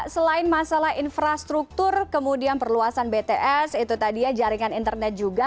selain masalah infrastruktur kemudian perluasan bts itu tadi ya jaringan internet juga